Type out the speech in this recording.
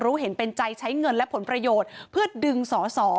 รู้เห็นเป็นใจใช้เงินและผลประโยชน์เพื่อดึงสอสอ